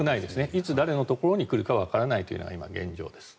いつ誰のところに来るかわからないのが今の現状です。